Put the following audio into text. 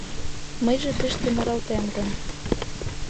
Мыйже тыште муралтем гын